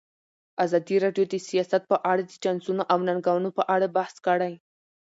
ازادي راډیو د سیاست په اړه د چانسونو او ننګونو په اړه بحث کړی.